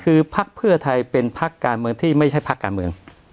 คือพักเพื่อไทยเป็นพักการเมืองที่ไม่ใช่พักการเมือง